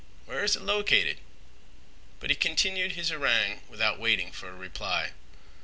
Where is it located?" But he continued his harangue without waiting for a reply.